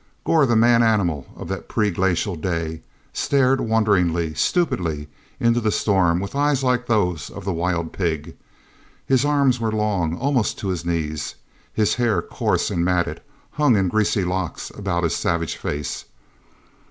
Gor, the man animal of that pre glacial day, stared wondering, stupidly, into the storm with eyes like those of the wild pig. His arms were long, almost to his knees; his hair, coarse and matted, hung in greasy locks about his savage face.